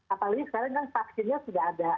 apalagi sekarang kan vaksinnya sudah ada